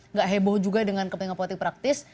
nggak heboh juga dengan kepentingan politik praktis